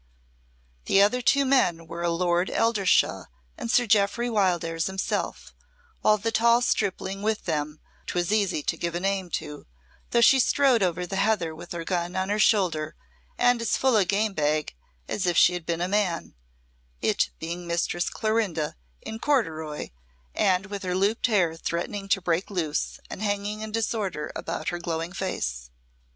The other two men were a Lord Eldershawe and Sir Jeoffry Wildairs himself, while the tall stripling with them 'twas easy to give a name to, though she strode over the heather with her gun on her shoulder and as full a game bag as if she had been a man it being Mistress Clorinda, in corduroy and with her looped hair threatening to break loose and hanging in disorder about her glowing face.